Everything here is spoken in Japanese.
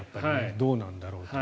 どうなんだろうと。